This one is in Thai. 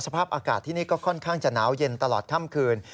สภาพอากาศที่นี่ก็ค่อนข้างจะหนาวเย็นตลอดค่ำคืน